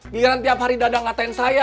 biarin tiap hari dadang ngatain saya